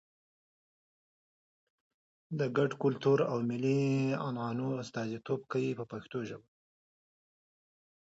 د ګډ کلتور او ملي عنعنو استازیتوب کوي په پښتو ژبه.